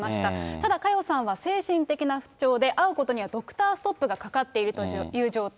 ただ佳代さんは精神的な不調で、会うことにはドクターストップがかかっているという状態。